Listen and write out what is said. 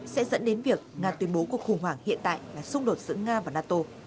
sẽ dẫn đến việc nga tuyên bố cuộc khủng hoảng hiện tại là xung đột giữa nga và nato